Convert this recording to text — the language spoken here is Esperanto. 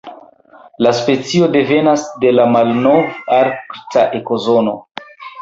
La specio devenas de la Malnov-Arkta ekozono.